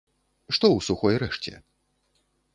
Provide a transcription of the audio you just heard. Што ў сухой рэшце?